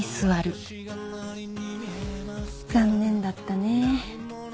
残念だったね。